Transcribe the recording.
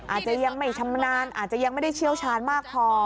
อาจจะยังไม่ชำนาญอาจจะยังไม่ได้เชี่ยวชาญมากพอ